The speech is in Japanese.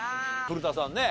古田さんね